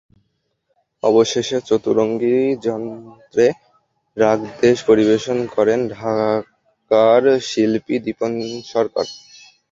সবশেষে চতুরঙ্গী যন্ত্রে রাগ দেশ পরিবেশন করেন ঢাকার শিল্পী দীপন সরকার।